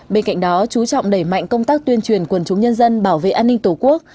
bên cạnh đó chú trọng đẩy mạnh công tác tuyên truyền quần chúng nhân dân bảo vệ an ninh tổ quốc